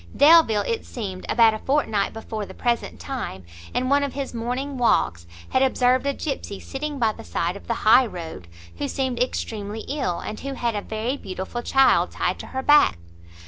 Delvile, it seems, about a fortnight before the present time, in one of his morning walks, had observed a gipsey sitting by the side of the high road, who seemed extremely ill, and who had a very beautiful child tied to her back.